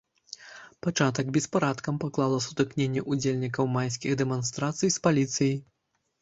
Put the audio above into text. Пачатак беспарадкам паклала сутыкненне ўдзельнікаў майскіх дэманстрацый з паліцыяй.